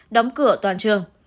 đóng cửa toàn trường